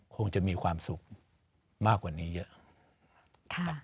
คงจะมีความสุขมากกว่านี้เยอะ